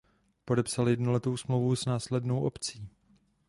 Podepsal jednoletou smlouvu s následnou opcí.